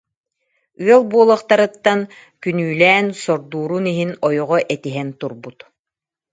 Ыал буолуохтарыттан күнүүлээн сордуурун иһин ойоҕо этиһэн турбут